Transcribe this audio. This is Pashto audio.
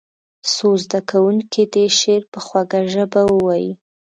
څو زده کوونکي دې شعر په خوږه ژبه ووایي.